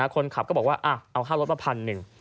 คนขับก็บอกว่าเอาค่ารถมาพันหนึ่ง